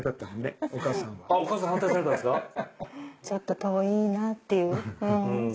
ちょっと遠いなっていううん。